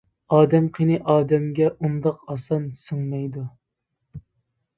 ئادەم قېنى ئادەمگە ئۇنداق ئاسان سىڭمەيدۇ.